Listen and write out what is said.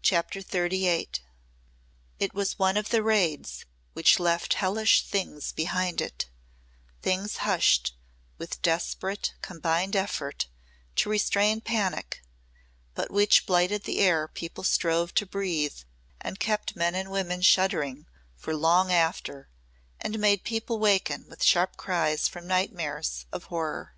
CHAPTER XXXVIII It was one of the raids which left hellish things behind it things hushed with desperate combined effort to restrain panic, but which blighted the air people strove to breathe and kept men and women shuddering for long after and made people waken with sharp cries from nightmares of horror.